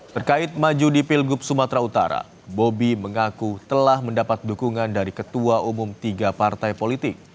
terkait maju di pilgub sumatera utara bobi mengaku telah mendapat dukungan dari ketua umum tiga partai politik